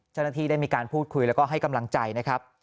เจ้าหน้าที่ได้มีการพูดคุยแล้วก็ให้กำลังใจนะครับ